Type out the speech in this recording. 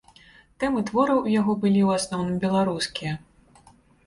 Тэмы твораў у яго былі ў асноўным беларускія.